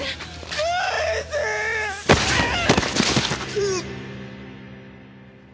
うっ。